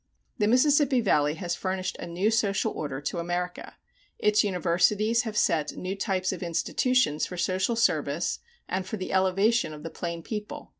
The Mississippi Valley has furnished a new social order to America. Its universities have set new types of institutions for social service and for the elevation of the plain people.